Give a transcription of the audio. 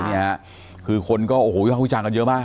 ไม่รู้ไปโดนอะไรมาไปกล่างอะไรยังไงขนาดไหน